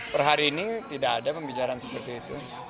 per hari ini tidak ada pembicaraan seperti itu